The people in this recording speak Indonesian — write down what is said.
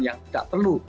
yang tidak perlu